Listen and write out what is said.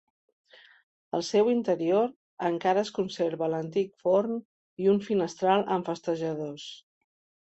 Al seu interior encara es conserva l'antic forn i un finestral amb festejadors.